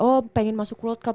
oh pengen masuk world cup